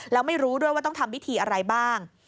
แล้วไม่รู้ด้วยว่าต้องทำพิธีอะไรบ้าง